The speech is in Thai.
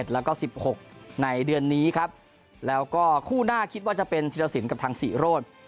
แล้วก็๑๖ในเดือนนี้ครับแล้วก็คู่หน้าคิดว่าจะเป็นธิรสินกับทางศรีโรธ